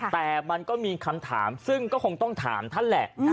แต่มันก็มีคำถามซึ่งก็คงต้องถามท่านแหละ